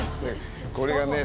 これがね